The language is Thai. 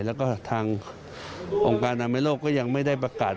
แล้วก็ทางองค์การอนามัยโลกก็ยังไม่ได้ประกาศ